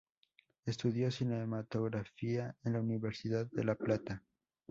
Estudió cinematografía en la Universidad de La Plata.